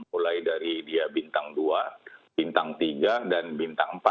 mulai dari dia bintang dua bintang tiga dan bintang empat